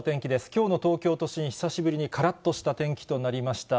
きょうの東京都心、久しぶりにからっとした天気となりました。